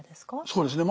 そうですね